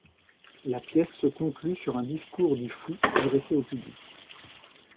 La pièce se conclut sur un discours du Fou adressé au public.